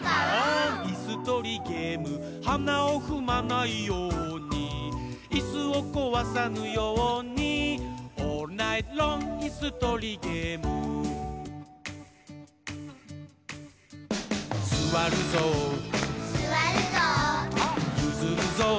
いすとりゲーム」「はなをふまないように」「いすをこわさぬように」「オールナイトロングいすとりゲーム」「すわるぞう」「ゆずるぞう」